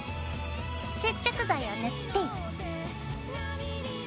接着剤を塗って。